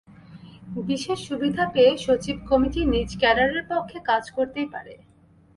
বিশেষ সুবিধা পেয়ে সচিব কমিটি নিজ ক্যাডারের পক্ষে কাজ করতেই পারে।